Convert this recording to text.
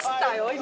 今。